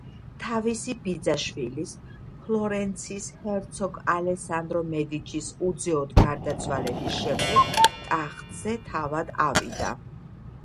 თავისი ბიძაშვილის, ფლორენციის ჰერცოგ ალესანდრო მედიჩის უძეოდ გარდაცვალების შემდეგ ტახტზე თავად ავიდა.